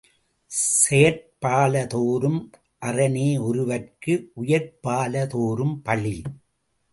செயற்பால தோரும் அறனேஒருவற்கு உயற்பால தோரும் பழி.